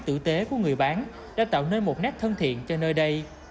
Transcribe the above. tử tế của người bán đã tạo nên một nét thân thiện cho nơi đây